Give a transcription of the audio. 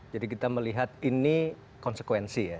jadi kita melihat ini konsekuensi ya